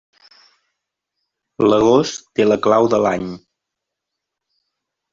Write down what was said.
L'agost té la clau de l'any.